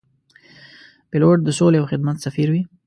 پیلوټ د سولې او خدمت سفیر وي.